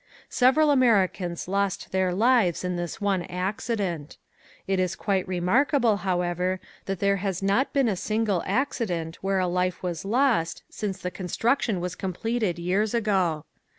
Several Americans lost their lives in this one accident. It is quite remarkable, however, that there has not been a single accident where a life was lost since the construction was completed years ago.